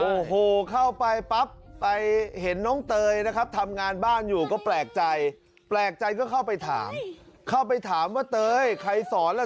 โอ้โฮเข้าไปปั๊บไปเห็นน้องเตยนะครับทำงานบ้านอยู่ก็แปลกใจ